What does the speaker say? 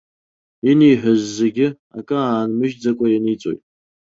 Инеиҳәаз зегьы акы аанмыжьӡакәа ианиҵоит.